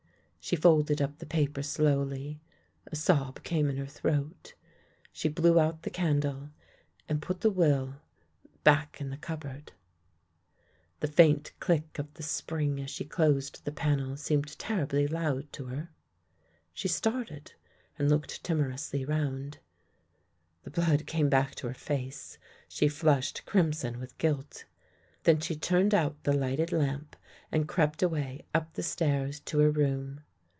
She folded up the paper slowly, a sob came in her throat, she blew out the candle, and put the will back in the cupboard. The faint click of the spring as she closed the panel seemed terribly loud to her. She started and looked timorously round. The blood came back to her face — she flushed crimson with guilt. Then she turned out the lighted lamp and crept away up the stairs to her room.